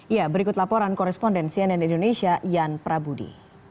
ya berikut laporan koresponden cnn indonesia ian prabudi